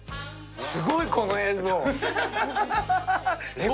すごい、この映像。